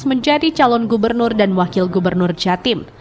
menjadi calon gubernur dan wakil gubernur jatim